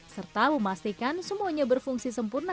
serta memastikan semuanya berfungsi sempurna